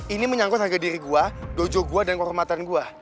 ini menyangkut harga diri gue dojo gue dan kehormatan gue